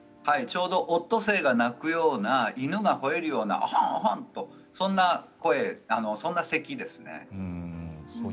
オットセイが鳴くような、犬がほえるようなそんな、せきですね。